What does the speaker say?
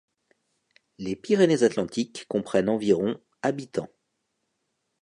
Les Pyrénées-Atlantiques comprennent environ habitants.